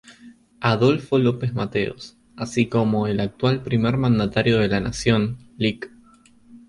Adolfo López Mateos, así como con el actual primer mandatario de la Nación, Lic.